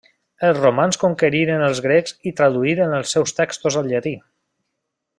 Els romans conqueriren els grecs i traduïren els seus textos al llatí.